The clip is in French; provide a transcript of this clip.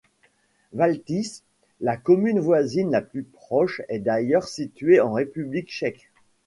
Valtice, la commune voisine la plus proche, est d'ailleurs située en République Tchèque.